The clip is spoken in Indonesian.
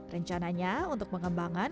rencananya untuk mengembangkan